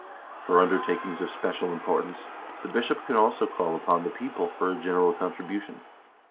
For undertakings of special importance the bishop could also call upon the people for a general contribution.